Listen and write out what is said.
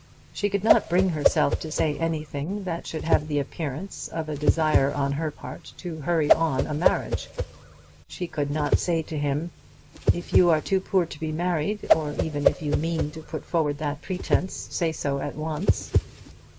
She could not bring herself to say anything that should have the appearance of a desire on her part to hurry on a marriage. She could not say to him, "If you are too poor to be married, or even if you mean to put forward that pretence, say so at once."